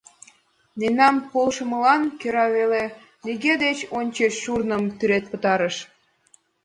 Мемнан полшымылан кӧра веле нигӧ деч ончыч шурным тӱред пытарыш.